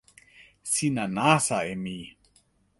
sina nasa e mi.